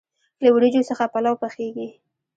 له وریجو څخه پلو پخیږي.